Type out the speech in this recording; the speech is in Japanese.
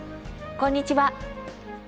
こんにちは。